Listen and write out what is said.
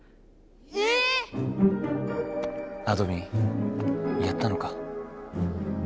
え⁉あどミンやったのか。